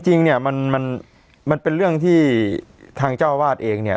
จริงเนี่ยมันมันเป็นเรื่องที่ทางเจ้าวาดเองเนี่ย